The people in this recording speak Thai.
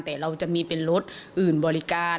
แต่เราจะมีเป็นรถอื่นบริการ